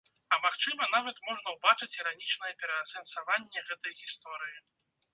А магчыма, нават можна ўбачыць іранічнае пераасэнсаванне гэтай гісторыі.